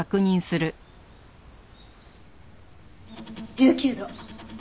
１９度。